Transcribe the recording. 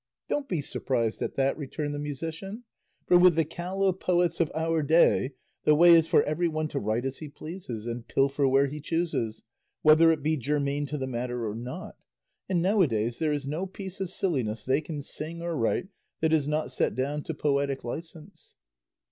"Don't be surprised at that," returned the musician; "for with the callow poets of our day the way is for every one to write as he pleases and pilfer where he chooses, whether it be germane to the matter or not, and now a days there is no piece of silliness they can sing or write that is not set down to poetic licence."